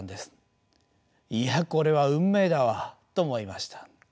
いやこれは運命だわと思いました。